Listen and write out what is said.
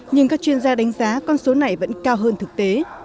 nhưng các chuyên gia đánh giá con số này vẫn cao hơn thực tế